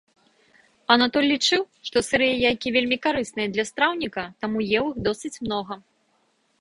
Анатоль лічыў, што сырыя яйкі вельмі карысныя для страўніка, таму еў іх досыць многа.